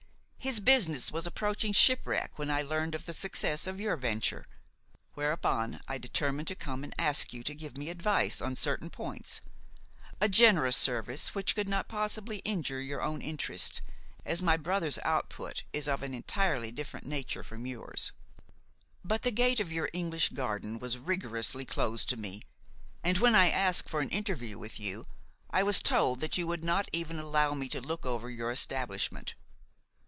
His business was approaching shipwreck when I learned of the success of your venture; whereupon I determined to come and ask you to give me advice on certain points,–a generous service which could not possibly injure your own interests, as my brother's output is of an entirely different nature from yours. But the gate of your English garden was rigorously closed to me; and when I asked for an interview with you, I was told that you would not even allow me to look over your establishment.